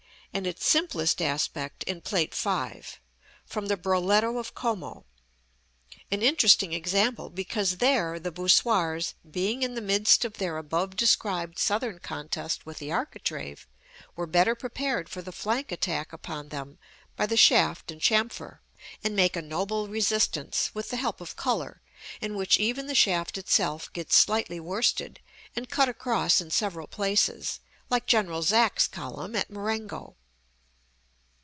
and its simplest aspect in Plate V., from the Broletto of Como, an interesting example, because there the voussoirs being in the midst of their above described southern contest with the architrave, were better prepared for the flank attack upon them by the shaft and chamfer, and make a noble resistance, with the help of color, in which even the shaft itself gets slightly worsted, and cut across in several places, like General Zach's column at Marengo.